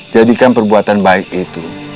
jadikan perbuatan baik itu